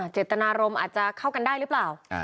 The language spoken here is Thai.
เจตนารมณ์อาจจะเข้ากันได้หรือเปล่า